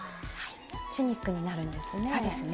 チュニックになるんですね。